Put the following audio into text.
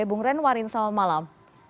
bung renwarin selamat malam